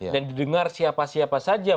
dan didengar siapa siapa saja